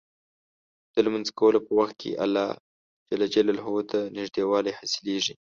د لمونځ کولو په وخت کې الله ته نږدېوالی حاصلېږي.